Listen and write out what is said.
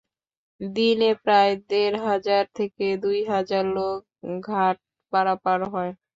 দিনে প্রায় দেড় হাজার থেকে দুই হাজার লোক ঘাট পারাপার হয়।